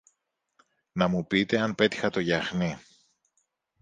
να μου πείτε αν πέτυχα το γιαχνί.